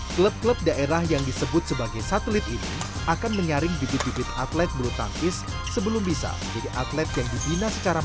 klub klub daerah yang disebut sebagai satelit ini akan menyaring bibit bibit atlet bulu tangkis sebelum bisa menjadi atlet yang dibina secara matang